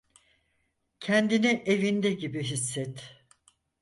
Kendini evinde gibi hisset.